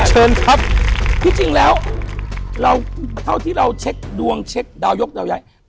เชิญครับที่จริงแล้วเราเท่าที่เราเช็คดวงเช็คดาวยกดาวย้าย